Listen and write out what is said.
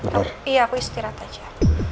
tapi aku istirahat aja